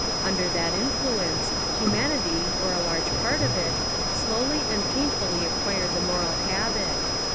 Under that influence, humanity, or a large part of it, slow ly and painfully acquired the moral habit.